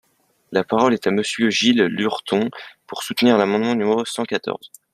La parole est à Monsieur Gilles Lurton, pour soutenir l’amendement numéro cent quatorze.